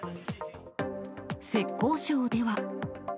浙江省では。